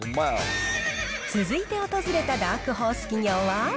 続いて訪れたダークホース企業は。